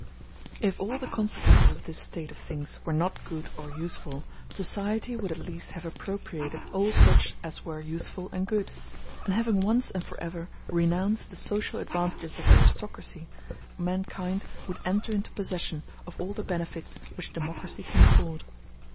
If all the consequences of this state of things were not good or useful, society would at least have appropriated all such as were useful and good; and having once and for ever renounced the social advantages of aristocracy, mankind would enter into possession of all the benefits which democracy can afford.